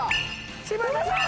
柴田さん！